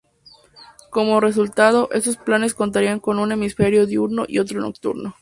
Como resultado, estos planetas contarían con un hemisferio diurno y otro nocturno.